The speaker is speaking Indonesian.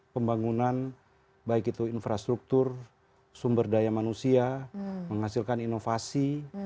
pembangunan baik itu infrastruktur sumber daya manusia menghasilkan inovasi